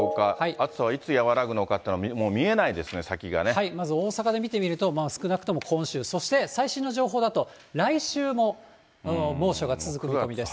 暑さはいつ和らぐのかというのは、まず大阪で見てみると、少なくとも今週、そして最新の情報だと、来週も猛暑が続く見込みです。